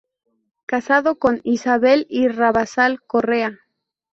Casado con "Isabel Irarrázaval Correa".